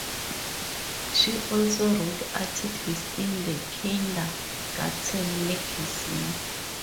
She also wrote articles in the 'Kindergarten Magazine'.